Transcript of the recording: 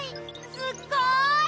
すっごい！